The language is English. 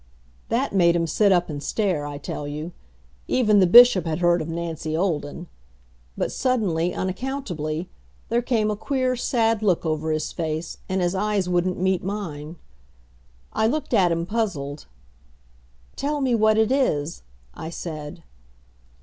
That made him sit up and stare, I tell you. Even the Bishop had heard of Nancy Olden. But suddenly, unaccountably, there came a queer, sad look over his face, and his eyes wouldn't meet mine. I looked at him puzzled. "Tell me what it is," I said.